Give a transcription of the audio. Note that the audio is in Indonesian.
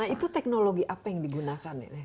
nah itu teknologi apa yang digunakan